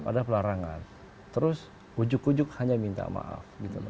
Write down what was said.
pada pelarangan terus hujuk hujuk hanya minta maaf